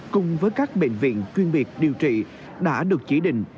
cùng với các bệnh viện chuyên biệt điều trị đã được chỉ định